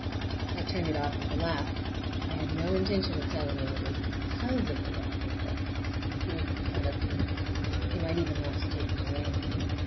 I turned it off with a laugh. I had no intention of telling him it was because of the wallpaper—he would make fun of me. He might even want to take me away.